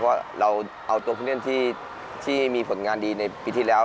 ว่าเราเอาตัวผู้เล่นที่มีผลงานดีในปีที่แล้ว